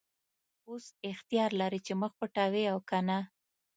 اوس اختیار لرې چې مخ پټوې او که نه.